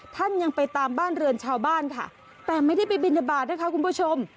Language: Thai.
ท่านยังไปตามบ้านเรือนชาวบ้านค่ะแต่ไม่ได้ไปบินทบาทนะคะคุณผู้ชม